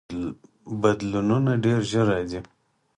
بدلونونه ډیر ژر راځي.